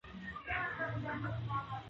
زه د سترګو حیا لرم.